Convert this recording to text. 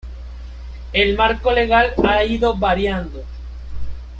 El marco legal ha ido variando.